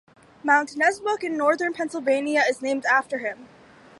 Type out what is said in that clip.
Mount Nessmuk, in northern Pennsylvania, is named after him.